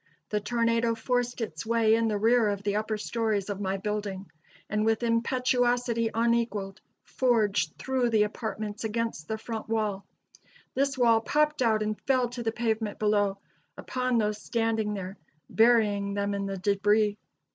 The tornado forced its way in the rear of the upper stories of my building, and with impetuosity unequaled forged through the apartments against the front wall. This wall popped out and fell to the pavement below, upon those standing there, burying them in the debris.